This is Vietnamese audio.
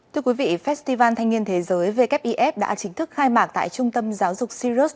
thưa quý vị festival thanh niên thế giới wif đã chính thức khai mạc tại trung tâm giáo dục sirius